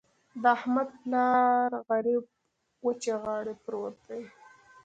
د احمد پلار غريب وچې غاړې پروت دی.